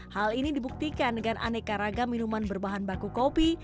hal ini dibuktikan dengan aneka ragam minuman berbahan baku kopi